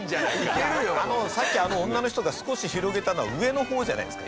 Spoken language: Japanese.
さっきあの女の人が少し広げたのは上の方じゃないですか。